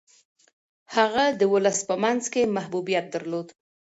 هغه د ولس په منځ کي محبوبیت درلود.